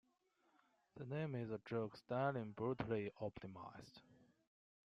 The name is a joke: Stalin brutally optimizes.